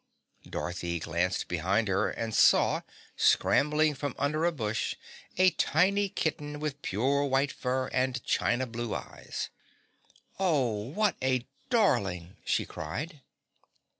Dorothy glanced behind her and saw, scrambling from under a bush, a tiny kitten with pure white fur and china blue eyes. "Oh, what a darling!" she cried.